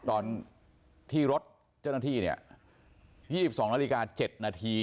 ตอนที่รถเจ้าหน้าที่เนี่ย๒๒นาฬิกา๗นาที